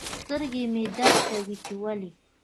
سترګي مي درد کوي چي ولي